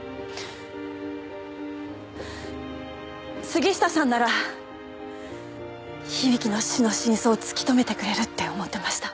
杉下さんなら響の死の真相を突き止めてくれるって思ってました。